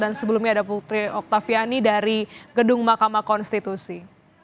dan sebelumnya ada putri oktaviani dari gedung makamah konstitusi